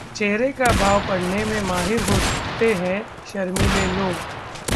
'चेहरे का भाव पढ़ने में माहिर होते हैं शर्मीले लोग'